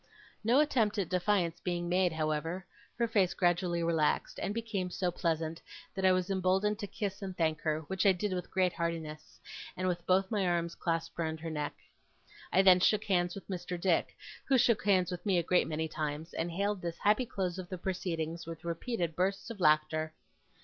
No attempt at defiance being made, however, her face gradually relaxed, and became so pleasant, that I was emboldened to kiss and thank her; which I did with great heartiness, and with both my arms clasped round her neck. I then shook hands with Mr. Dick, who shook hands with me a great many times, and hailed this happy close of the proceedings with repeated bursts of laughter.